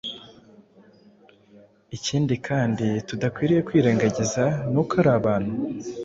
Ikindi kandi tudakwiriye kwirengagiza ni uko ari abantu,